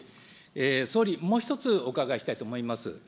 総理、もう一つお伺いしたいと思います。